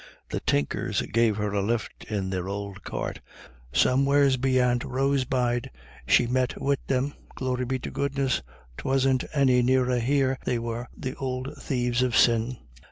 The Tinkers gave her a lift in their ould cart. Somewheres beyant Rosbride she met wid them; glory be to goodness 'twasn't any nearer here they were, the ould thieves of sin.